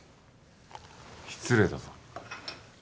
失礼だぞ。